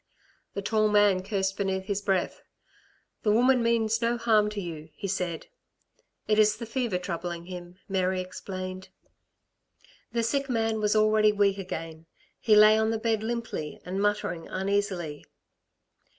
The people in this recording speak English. The tall man cursed beneath his breath. "The woman means no harm to you," he said. "It is the fever troubling him," Mary explained. The sick man was already weak again. He lay on the bed limply and muttering uneasily.